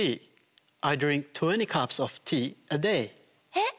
えっ！